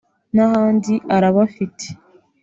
n’ahandi arabafite…”